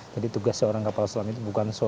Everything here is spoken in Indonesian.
jadi tugas seorang kapal selam itu bukan